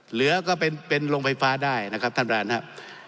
เหลือก็เป็นโรงไฟฟ้าได้นะครับท่านประธานครับ